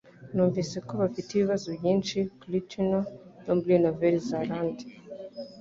Numvise ko bafite ibibazo byinshi kuri tunel muri Nouvelle-Zélande